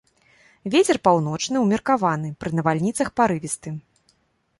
Вецер паўночны ўмеркаваны, пры навальніцах парывісты.